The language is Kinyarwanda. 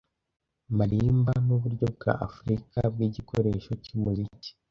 Marimba nuburyo bwa Afrika bwigikoresho cyumuziki